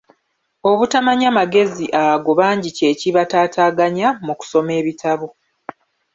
Obutamanya magezi ago bangi kye kibataataganya mu kusoma ebitabo.